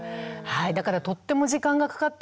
だからとっても時間がかかったんですよ。